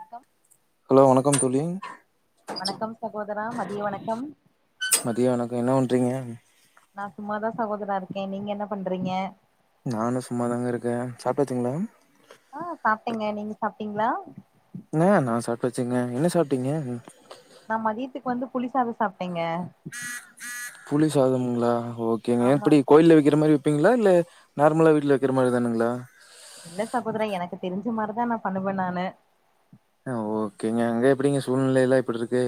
அக்கம் ஹலோ வணக்கம் தோழி வணக்கம் சகோதரா மதிய வணக்கம் றீங்க நா சும்மாதா சகோதரா இருக்கே நீங்க என்ன பண்றீங்க நானு சும்மாதாங்க இருக்கே சாப்டாச்சுங்ளா ஆ சாப்ட்டேங்க நீங்க சாப்ட்டீங்ளா ஆ நா சாப்டாச்சுங்க என்ன சாப்ட்டீங்க நா மதியத்துக்கு வந்து புளிசாத சாப்ட்டேங்க புளி சாதம்ங்ளா ஓகேங்க ஆமா எப்டி கோயில்ல வெக்கிற மாரி வெப் ப்பீங்ளா இல்ல நார்மலா வீட்ல வெக்கிற மாரி தானுங்ளா இல்ல சகோதரா எனக்கு தெரிஞ்ச மார்தா நா பண்ணுவ நானு அ ஓகேங்க அங்க எப்டிங்க சூழ்நிலைலா எப்புட்ருக்கு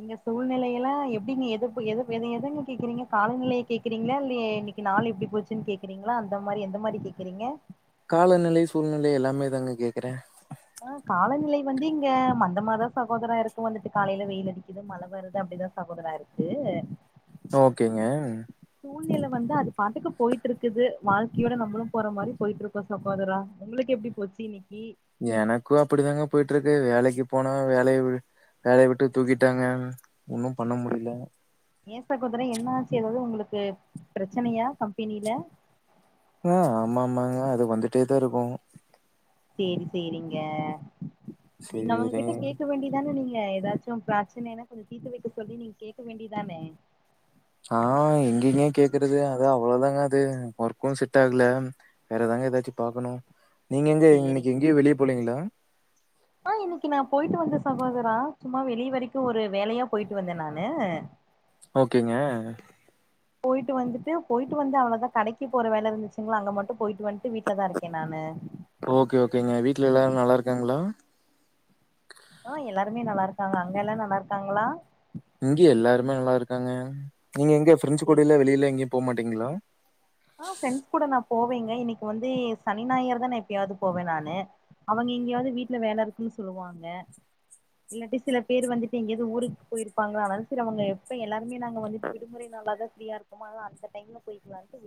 இங்க சூழ்நிலையெல்லா எப்டிங்க எதுப்பு எத எத எதங்க கேக்குறீங்க காலநிலைய கேக்குறீங்ளா இல்ல இன்னைக்கு நாள் எப்டி போச்சுன் கேக்குறீங்ளா அந்த மாரி எந்த மாரி கேக்குறீங்க காலநிலை சூழ்நிலை எல்லாமே தாங்க கேக்குறே ஆ காலநிலை வந்து இங்க மந்தமாதா சகோதரா இருக்கு வந்துட்டு காலைல வெயில் அடிக்குது மழ வருது அப்டிதா சகோதரா இருக்கு ஓகேங்க சூழ்நில வந்து அது பாட்டுக்கு போயிட்ருக் குது வாழ்க்கையோட நம்பளு போற மாரி போயிட்ருக்கு இப்ப சகோதரா உங்களுக்கு எப்டி போச்சு இன்னக்கி எனக்கு அப்டிதாங்க போயிட்ருக்கு வேலைக்கு போனா வேலய வி வேலய விட்டு தூக்கிட்டாங்க ஒன்னு பண்ண முடிய்ல ஏ சகோதரா என்னாச்சு எதாவ்து ஒங்களுக்கு பிரச்சனையா கம்பெனில ஆ ஆமா ஆமாங்க அது வந்துட்டேதா இருக்கு சேரி சேரிங்க நீங் அவங்கக்கிட்ட சேரி கேக்க வேண்டிய தானே நீ ங்லே எதாச்சு பிரச்சனைனா கொஞ்ச தீத்து வைக்க சொல்லி நீங் கேக்க வேண்டியதானே ஆ எங்கெங்க கேக்குறது அதா அவ்ளோதாங்க அது ஒர்க்கு செட் ஆக்ல வேறதாங்க எதாச்சு பாக்கணு நீங்க எங்க சேரிங் இன்னக்கி எங்கேயு வெளிய போலைங்களா ஆ இன்னக்கி நா போயிட்டு வந்தே சகோதரா சும்மா வெளிய வரைக்கு ஒரு வேலையா போயிட்டு வந்தே நானு ஓகேங்க போயிட்டு வந்துட்டு போயிட்டு வந்தே அவ்ளோதா கடக்கி போற வேலெருந்துச்சுங்ளா அங்க மட்டு போயிட்டு வந்துட்டு வீட்ல தா இருக்கே நானு ஓகே ஓகேங்க வீட்ல எல்லாரு நல்லாருக்காங்ளா ஆஹ் எல்லாருமே நல்லாருக்காங்க அங்கெல்லா நல்லாருக்காங்ளா இங்கெயேல்லாருமே நல்லாருக்காங்க நீங்க எங்க ஃப்ரெண்ட்ஸ் சரி. கூடலா வெளில எங்கயு போமாட்டீங்ளா ஆ ஃப்ரெண்ட்ஸ் குட நா போவேங்க இன்னிக்கு வந்து சனி நாயர் தா நா எப்பயாவது போவே நானு அவுங் இங்கியாது வீட்ல வேலருக்குன்னு சொல்லுவாங்க இல்லாட்டி சில பேர் வந்துட்டு எங்கியாவது ஊருக் போயிருப்பாங்க [unintelligible] எப்பயல்லார் முன்னே நாங்க வந்துட்டு விடுமுறை நாலாதா ஃப்ரீ அ அந்த டைம்ல போயிட்டு வந்து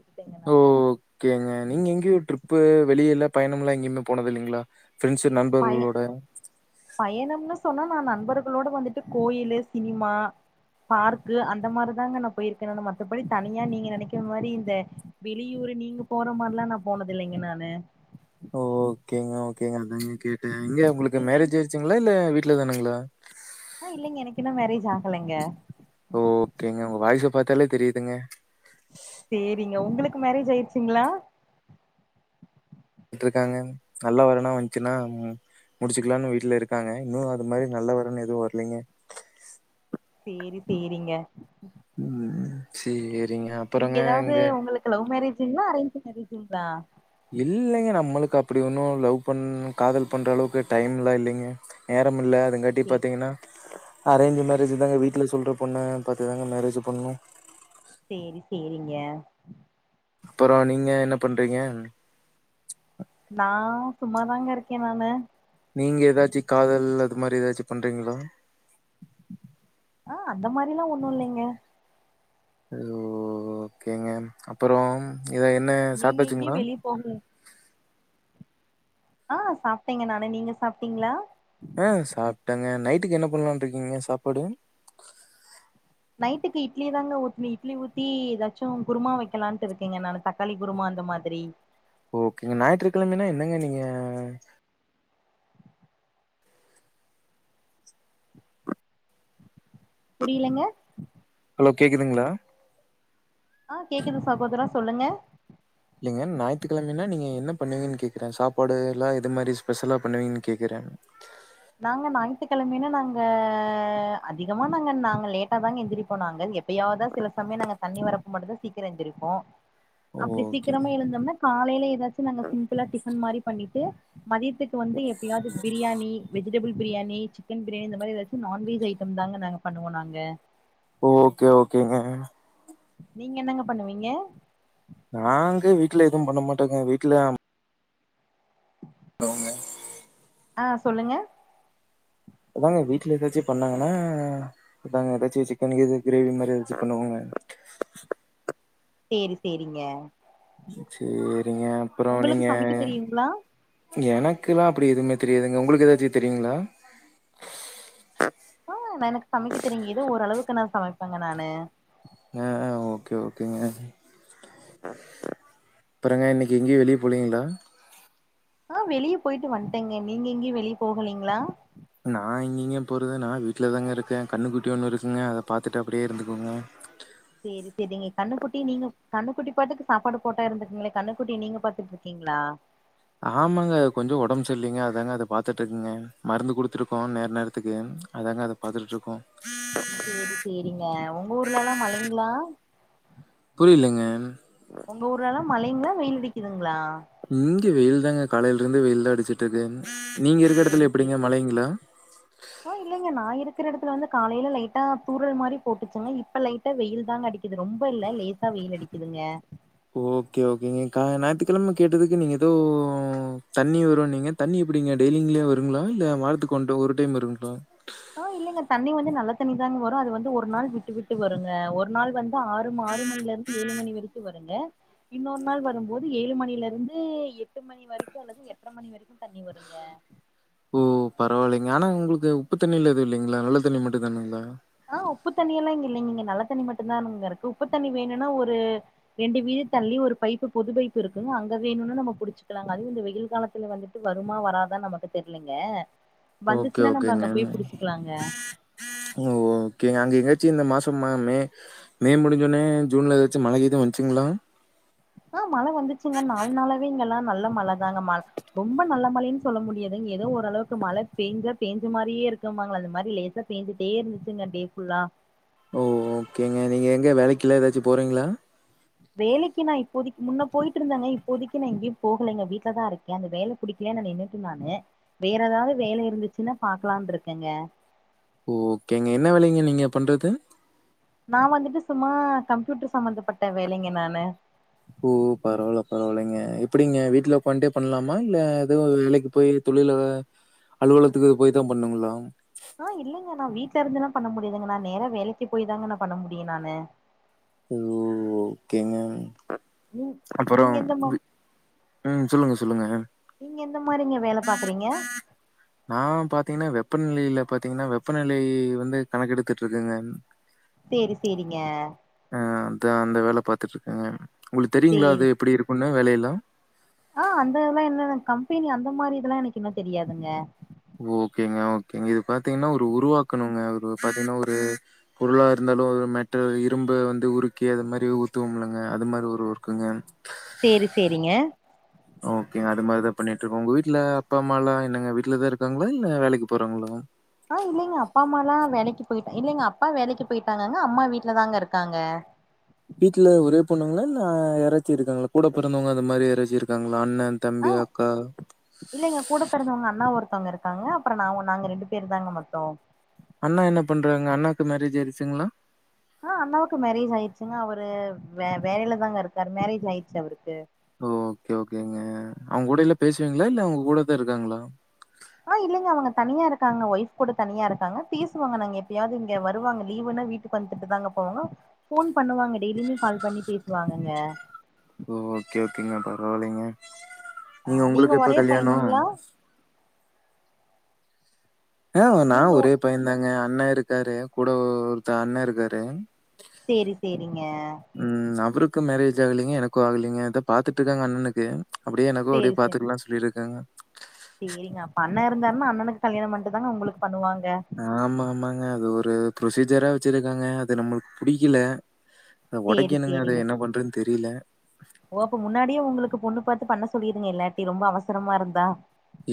ஓ ஓகேங்க நீங்க எங்கயொ ட்ரிப்பு வெளியல்லாப் பயணம்லா எங்கயுமே போனதுல்லிங்களா ஃப்ரெண்ட்ஸு நண்பர்களோட பயணும்னு சொன்னா நா நண்பர்களோட வந்துட்டு கோயிலு சினிமா பார்க்கு அந்த மாரிதாங்க நா போயிருக்கேன்னு மத்தபடி தனியா நீங்க நெனக்கிற மாரி இந்தெ வெளியூர் நீங்க போற மார்ல்லா நா போனதில்லைங்க நானூ ஓ ஓகேங்க ஓகேங்க அதாங்க கேட் டே இங்கெ உங்குளுக்கு நீங்க எங் மேரேஜ் அயிச்சுங்களால்ல வீட் வீட்ல தானுங்களா ஆ இல்லைங்க எனக்கின்னு மேரேஜு அக் ஓகேங்க உங்க வாய்ச பாத்தாலே தெரிதுங்க சேரிங்க உங்குளுக் மேரேஜ் அயிர்ச்சிங்ளா ட்டுருக்காங்க நல்லா வரணா வன்ச்சுனா முடிச்சிகிலான்னு வீட்லெருக்காங்க இன்னூ அது மாரி நல்ல வரன் எதுவு வர்லங்க சேரி சேரிங்க ம் சேரி நீங்க எதாவது உங்களுக்கு லவ் மேரேஜ் ங்களா அரேஞ் மேரேஜிங்ளா அப்டி ஒன்ன லவ் பண் காதல் பண்றளவுக்கு டைம்லா இல்லிங்க நேரமில்ல எதுங்காட்டி சே பாத்தீங்கனா அரேஞ்ச் மேரேஜ் தாங்க வீட்ல சொல்ற பொண்ண பாத்து தாங்க மேரேஜ் பண்ணு சேரி சேரிங்க அப்பறோ நீங்க என்ன பண்றீங்க நா சும்மாாதாங்க இருக்கே நானு நீங்க ஏதாச்சு காதல் அந்த மாரி ஏதாச்சும் பண்றீங்களா ஆ அந்த மாரிலா ஒண்ணும் இல்லைங்க ஓகேங்க அப்பறோ இத என்ன நீங்க எங்கேயு சாப்டச்சுங்களா வெளிய போகல ஆ சாப்பிட்டேங்க நானு நீங்க சாப்டிங்ளா ட்டாங்க நைட்டுக்கு என்ன பண்ணலா இருக்கீங்க சாப்பாடு நைட்டுக்கு இட்லி தாங்க ஊற்ற இட்லி ஊத்தி ஏதாச்சும் குருமா வைக்கலான்ட்டு இருக்கேங்க நான தக்காளி குருமா அந்த மாதிரி ஓகேங்க ஞாயிற்றுக்கெழமனா என்னங்க நீங்க புரியலங்க ஹலோ கேக்குதுங்ளா ஆ கேக்குது சகோதரா சொல்லுங்க இல்லைங்க ஞாயித்துக்கெழமைன்னா நீங்க என்ன பண்ணுவீங்கன்னு கேக்குறே சாப்பாடு எல்லா எது மாரி ஸ்பெஷலா பண்ணுவீங்கன்னு கேக்குறே நாங்க ஞாயித்துக்கெழமைன்னா நாங்க அதிகமா நாங்க நாங்க லேட்டாதாங்க எந்திரிப்போ நாங்க எப்பயாதா சில சமய நாங்க தண்ணி வரப்ப மட்டுந்தா சீக்கர எந்திரிப்போ அப்டி ஓகே சீக்கிரமா எழுந்தம்னா காலையில எதாச்சு நாங்க சிம்பிளா டிஃபன் மாரி பண்ணிட்டு மதியத்துக்கு வந்து எப்பயாவுது பிரியாணி வெஜிடபிள் பிரியாணி சிக்கன் பிரியாணி இந்த மாரி எதாச்சு நான்வெஜ் ஐட்டம் தாங்க நாங்க பண்ணுவோ நாங்க ஓகே ஓகேங்க நீங்க என்னங்க பண்ணுவீங்க நாங்க வீட்ல எதுவு பண்ண மாட்டங்க வீட்ல அவுங்க ஆ சொல்லுங்க அதாங்க வீட்ல எதாச்சி பண்ணாங்கனா அதாங்க எதாச்சி சிக்கன் கீது கிரேவி மாரி எதாச்சி பண்ணுவாங்க சேரி சேரிங்க சேரிங்க அப்றோ உங்களுக்கு நீங்க சமைக்க தெரியுங்களா எனக்குல்லா அப்பிடி எதுமே தெரியாதுங்க உங்குளுக்கு எதாச்சி தெரியுங்ளா ஆ ந எனக்கு சமைக்க தெரியிங் எதோ ஓரளவுக்கு நா சமைப் பங்க நானு ஆ ஆ ஓகே ஓகேங்க அப்பறங்க இன்னைக்கு எங்கயு வெளில போலிங்ளா ஆ வெளிய போயிட்டு வன்ட்டங்க நீங்க எங்கயு வெளிய போகலிங்ளா நா எங்கிங்க போறது நா வீட்லதாங்க இருக்கே கன்னுக்குட்டி ஒண்ணு இருக்குங்க அத பாத்துட்டு அப்பிடியே இருந்துக்குவங்க சேர் சேரிங்க கண்ணுகுட்டிய நீங்க கண்ணுக்குட்டி பாட்டுக்கு சாப்பாடு போட்டா இருந்துக்குங்ளே கண்ணுக்குட்டிய நீங்க பாத்துட்ருக்கிங்ளா ஆமாங்க கொஞ்ச ஒடம்பு செர்ல்லிங்க அதாங்க அத பாத்துட்ருக்குங்க மருந்து குடுத்துருக்கோ நேர நேரத்துக்கு அதாங்க அத பாத்துட்ருக்கோ சேரி சேரிங்க உங்க ஊர்ல எல்லா மழைங்ளா என் உங்க ஊர்ல எல்லா மழைங்ளா வெயில் அடிக்குதுங்ளா ம் வெயில் தாங்க காலைல இருந்து வெயில்தா அடிச்சிட்டு இருக்குங் நீங்க இருக்கிற எடத்துல சேரி சேரி எப்பிடிங்க மழைங்ளா ஆ இல்லைங்க நா இருக்கற எடத்துல வந்து காலைல லைட்டா தூரல் மாரி போட்டுச்சுங்க இப்ப லைட்டா வெயில் தாங்க அடிக்குது ரொம்ப இல்ல லேசா வெயில் அடிக்குதுங்க ஓகே ஓகேங்க கா ஞாயித்துக்கெழம கேட்டதுக்கு நீங்க ஏதோ தண்ணி வருன்னிங்க தண்ணி எப்பிடிங்க டெய்லிங்லே வருங்ளா இல்ல வாரத்துக்கு ஒன் டொ ஒரு டைம் வருங்ளா ஆ இல்லைங்க தண்ணி வந்து நல்ல தண்ணி தாங்க வரு அது வந்து ஒரு நாள் விட்டு விட்டு வருங்க ஒரு நாள் வந்து ஆறு ம ஆறு மணில இருந்து ஏழு மணி வரைக்கு வருங்க இன்னொரு நாள் வரும்போது ஏழு மணில இருந்து எட்டு மணி வரைக்கு அல்லது எட்ர மணி வரைக்கு தண்ணி வருங்க ஓ பரவால்லைங்க ஆனா உங்குளுக்கு உப்பு தண்ணில்லா எதுவு இல்லைங்ளா நல்ல தண்ணி மட்டு தானுங்ளா ஆ உப்பு தண்ணி எல்லா இங்க இல்லைங்க இங்க நல்ல தண்ணி மட்டுந்தா இங்க இருக்கு உப்பு தண்ணி வேணுன்னா ஒரு ரெண்டு வீடு தள்ளி ஒரு பைப்பு பொது பைப்பு இருக்குங்க அங்க வேணுன்னா நம்ம புடிச்சுக்கலாங்க அதுவு இந்த வெயில் காலத்துல வந்துட்டு வருமா வராதா நமக்கு தெரிலங்க ஓகே ஓகேங்க ஓ கேங்க அங்க எங்கயாச்சி இந்த மாசம் மே மே முடிஞ்சொனே ஜூன்ல எதாச்சு மழகீது வந்துச்சுங்ளா ஆ மழ வந்துச்சுங்க நாலு நாளாவே இங்கெல்லா நல்ல மழ தாங்க மழ ரொம்ப நல்ல மழைன்னு சொல்ல முடியாதுங் எதோ ஓரளவுக்கு மழ பேஞ்சா பேஞ்ச மாரியே இருக்கும்பாங்கள அந்த மாரி லேசா பேஞ்சிட்டே இருந்துச்சிங்க டே ஃபுல்லா ஓ ஓகேங்க நீங்க எங்க வேலைக்கெல்லா எதாச்சி போறிங்ளா வேலைக்கி நா இப்போதக்கி முன்ன போயிட்டு இருந்தங்க இப்போதைக்கி நா எங்கயு போகலைங்க வீட்லதா இருக்க அந்த வேலை புடிக்கலன்னு நின்னுட்டே நானு வேற ஏதாது வேல இருந்துச்சின்னா பாக்கலான்ட்ருக்கங்க ஓ ஓகேங்க என்ன வேலைங்க நீங்க பண்றது நா வந்துட்டு சும்மா கம்ப்யூட்டர் சம்பந்தப்பட்ட வேலைங்க நானு ஓ பரவால்ல பரவால்லைங்க எப்டிங்க வீட்ல உக்காண்ட்டே பண்ணலாமா இல்ல எதுவு வேலைக்கு போய் தொழில அலுவலத்துக்கு போய் தா பண்ணணுங்களா ஆ இல்லைங்க நா வீட்ல இருந்துல்லா பண்ண முடியாதுங்க நா நேர வேலைக்கே போய் தாங்க நா பண்ண முடியு நானு ஓ ஓகேங்க நீங் நீங்க அப்புறம் எந்த மா வி ம் சொல்லுங்க சொல்லுங்க. நீங்க எந்த மாரிங்க வேல பாக்குறீங்க நா பாத்தீங்கன்னா வெப்பநிலையில பாத்தீங்கன்னா வெப்பநிலை வந்து கணக்கெடுத்துட்ருக்கேங்க சேரி சேரிங்க நா அந்த வேல பாத்துட்ருக்கேங்க உங்களுக்கு தெரியுங்களா சேரி அது எப்டி இருக்குன்னு இன்னு வேலையெல்லா ஆ அந்த இதெல்லா என்ன கம்பெனி அந்த மாரி இதெல்லா எனக்கு இன்னு தெரியாதுங்க ஓகேங்க ஓகேங்க இது பாத்தீங்கன்னா ஒரு உருவாக்கணுங்க ஒரு பாத்தீங்கன்னா ஒரு பொருளா இருந்தாலு ஒரு மெட்டர் இரும்ப வந்து உருக்கி அது மாரி ஊத்துவோம்ல்லங்க அது மாரி ஒரு ஒர்க்குங்க சேரி சேரிங்க ஓகேங்க அது மாரிதா பண்ணிட்டு இருக்கோ உங்க வீட்ல அப்பா அம்மாலா என்னங்க வீட்லதா இருக்காங்களா இல்ல வேலைக்கு போறாங்களா ஆ இல்லைங்க அப்பா அம்மால்லா வேலைக்கு போயிட்டா இல்லைங்க அப்பா வேலைக்கு போயிட்டாங்கங்க அம்மா வீட்ல தாங்க இருக்காங்க வீட்ல ஒரே பொண்ணுங்களா இல்ல யாராச்சி இருக்காங்களா கூட பொறந்தவங்க அந்த மாரி யாராச்சி இருக்காங்களா அண்ணன், ஆ தம்பி, அக்கா? இல்லைங்க கூட பெறந்தவங்க அண்ணா ஒருத் த்தவங்க இருக்காங்க அப்பறோ நா ஒன் நாங்க ரெண்டு பேர் தாங்க மொத்தோ அண்ணா என்ன பண்றாங்க அண்ணாக்கு மேரேஜ் ஆயிருச்சிங்ளா ஆ அண்ணாவுக்கு மேரேஜ் ஆயிருச்சிங்க அவரு வே வேலைலதாங்க இருக்காரு மேரேஜ் ஆயிருச்சி அவருக்கு ஓ ஓகே ஓகேங்க அவங்க கூட இல்ல பேசுவீங்களா இல்ல அவங்க கூடதா இருக்காங்களா ஆ இல்லைங்க அவங்க தனியா இருக்காங்க வைஃப் கூட தனியா இருக்காங்க பேசுவாங்க நாங்க எப்பயாவது இங்க வருவாங்க லீவுனா வீட்டுக்கு வந்துட்டு தாங்க போவாங்க போன் பண்ணுவாங்க டெய்லியுமே கால் பண்ணி பேசுவாங்கங்க ஓ ஓகே ஓகேங்க பரவால்லைங்க ஆ நீங்க உங்களுக்கு எப்ப ஒரே கல்யாணோ பையனுங்களா ஆ நா நீங்க ஒரே பைய தாங்க அண்ணே இருக்காரு கூட ஓ ஒருத்த அண்ணே இருக்காரு சேரி சேரிங்க ம் அவருக்கு மேரேஜ் ஆகலைங்க எனக்கு ஆகலைங்க இதா பாத்துட்டுக்காங்க அண்ணனுக்கு அப்படியே எனக்கு சேரி அப்டியே சேரி பாத்துக்கலா சொல்லியிருக்காங்க சேரிங்க அப்ப அண்ணன் இருந்தாருன்னா அண்ணனுக்கு கல்யாண பண்ணிட்டு தாங்க உங்களுக்கு பண்ணுவாங்க ஆமா ஆமாங் அது ஒரு பு்ரொசீஜரா வச்சிருக்காங்க அது நம்மளுக்கு புடிக்கல சேரி ஒடக்கணுங்க அத சேரிங்க என்ன பண்றதுன்னு தெரி புரில ஓ அப்ப முன்னாடியே உங்களுக்கு பொண்ணு பாத்து பண்ண சொல்லிருங்க இல்லாட்டி ரொம்ப அவசரமா இருந்தா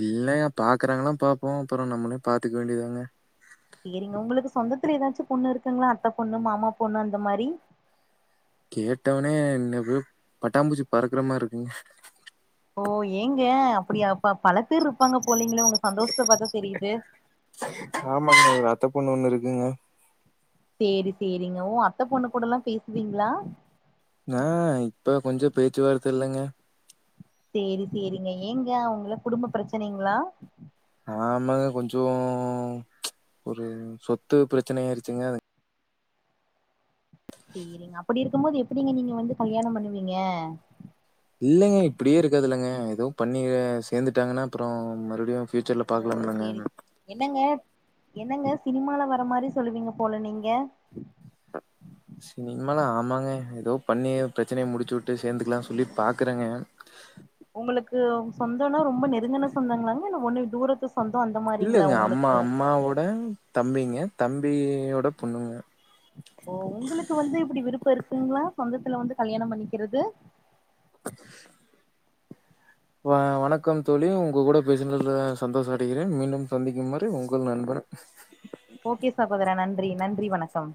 இல்லங்க பாக்குறாங்களான்னு பாப்போ அப்புற நம்மளே பாத்துக்க வேண்டியதாங்க சேரிங்க உங்களுக்கு சொந்தத்துல ஏதாச்சு பொண்ணு இருக்குங்களா அத்த பொண்ணு மாமா பொண்ணு அந்த மாரி கேட்டவனே இனவு போ பட்டாம்பூச்சி பறக்குற மாரி இருக்குங்க ஓ ஏங்க அப்டியா அப்ப பழ பேர் இருப்பாங்க போலீங்கலே உங்க சந்தோஷத்த பாத்தா தெரியுது குங்க சேரி சேரிங்க ஓ அத்த பொண்ணு கூட எல்லா பேசுவிங்ளா ந இப்ப கொஞ்சோ பேச்சுவார்த்த இல்லங்க சேரி சேரிங்க ஏங்க அவுங்ளா குடும்ப பிரச்சனைங்ளா ஆமாங்க கொஞ்சோ ஒரு சொத்து பிரச்சனை ஆயிருச்சுங்க சேரிங்க அப்படி இருக்கும் போது எப்டிங்க நீங்க வந்து கல்யாணம் பண்ணுவீங்க இல்லைங்க இப்பிடியே இருக்காதுல்லங்க எதோ பண்ணி சேந்துட்டாங்கன்னா அப்புறோ மறுடியு ஃப்யூச்சர்ல ஓ பாக்கலாம்லங்கம் சேரி என்னங்க என்னங்க சினிமால வர மாரி சொல்லுவீங்க போல நீங்க சினிமல ஆமாங்க எதோ பண்ணி பிரச்சனைய முடிச்சு விட்டு சேந்துக்லான் சொல்லி பாக்கறங்க உங்களுக்கு சொந்தோன்னா ரொம்ப நெருங்கன சொந்தங்ளாங்க இல்ல ஒண்ணு தூரத்து சொந்தம் அந்த மாரிங்களா இல்லங்க அம்மா உங்களுக்கு அம்மாவோட தம்பிங்க தம்பியோட பொண்ணுங்க உங்களுக்கு வந்து இப்படி விருப்பம் இருக்குங்களா சொந்தத்துல வந்து கல்யாணம் பண்ணிக்கிறது வ வணக்கம் தோழி உங்க கூட பேசுனதுல சந்தோஷ அடைகிறேன் மீண்டும் சந்திக்கும் வரை உங்கள் நண்பன் ன்றி வணக்கம்